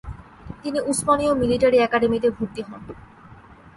তিনি উসমানীয় মিলিটারি একাডেমীতে ভর্তি হন।